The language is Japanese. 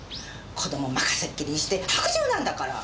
子供を任せっきりにして薄情なんだから！